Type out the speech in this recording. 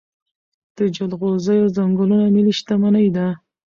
د جلغوزیو ځنګلونه ملي شتمني ده.